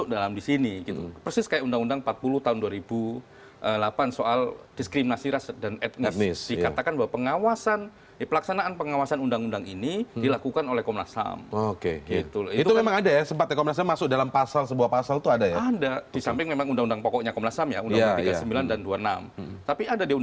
dan pemerintah tetaplah bersama kami prime news pasti akan segera kembali dengan ulasan ini